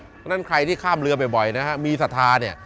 เพราะฉะนั้นใครที่ข้ามเรือบ่อยนะฮะมีศรัทธาเนี่ย